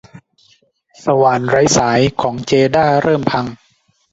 สว่านไร้สายของเจด้าเริ่มพัง